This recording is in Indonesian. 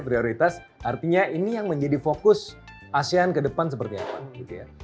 prioritas artinya ini yang menjadi fokus asean ke depan seperti apa gitu ya